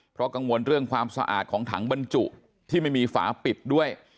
เพราะกังวลเรื่องความสะอาดของถังบรรจุที่ไม่มีฝาปิดด้วย